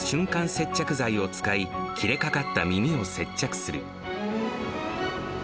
接着剤を使い、切れかかった耳を接着する。